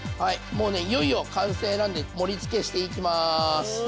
もうねいよいよ完成なんで盛りつけしていきます。